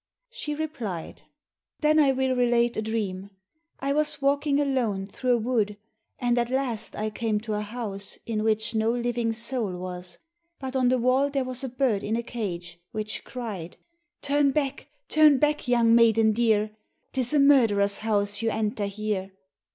She replied, "Then I will relate a dream. I was walking alone through a wood, and at last I came to a house, in which no living soul was, but on the wall there was a bird in a cage which cried, "Turn back, turn back, young maiden dear, 'Tis a murderer's house you enter here."